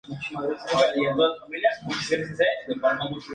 Las familias egipcias tradicionalmente lo regalan a visitantes y amigos.